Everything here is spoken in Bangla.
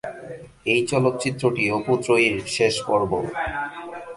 এই চলচ্চিত্রটি অপু ত্রয়ীর শেষ পর্ব।